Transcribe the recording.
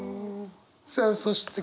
さあそして